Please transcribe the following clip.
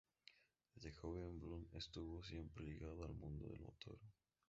Desde joven, Blundell estuvo siempre ligado al mundo del motor.